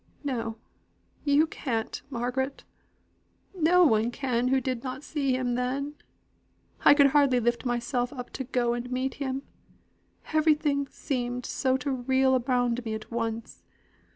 "No, you can't, Margaret. No one can who did not see him then. I could hardly lift myself up to go and meet him everything seemed so to reel around me all at once.